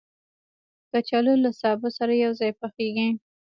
کچالو له سابه سره یو ځای پخېږي